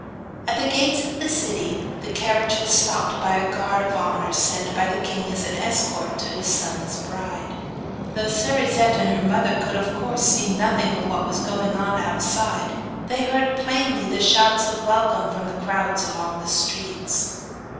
At the gates of the city the carriage was stopped by a guard of honour sent by the king as an escort to his son's bride. Though Cerisette and her mother could of course see nothing of what was going on outside, they heard plainly the shouts of welcome from the crowds along the streets.